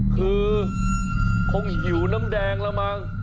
คือคงหิวน้ำแดงแล้วมั้ง